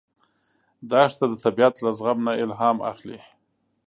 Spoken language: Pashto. دښته د طبیعت له زغم نه الهام اخلي.